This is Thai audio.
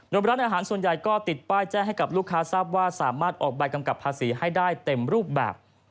โดยร้านอาหารส่วนใหญ่ก็ติดป้ายแจ้งให้กับลูกค้าทราบว่าสามารถออกใบกำกับภาษีให้ได้เต็มรูปแบบ